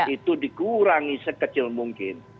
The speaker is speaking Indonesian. itu dikurangi sekecil mungkin